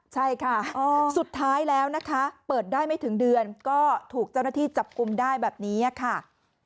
ใช่ค่ะสุดท้ายแล้วนะคะเปิดได้ไม่ถึงเดือนก็ถูกเจ้าหน้าที่จับกลุ่มได้แบบนี้ค่ะ